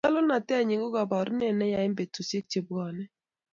nyalulnatenyin ko kaborunet neya eng betusiek che bwoni